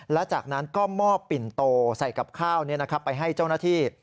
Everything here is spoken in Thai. และจากนั้นก็มอบปิ่นโตใส่กับข้าวไปให้เจ้าหน้าที่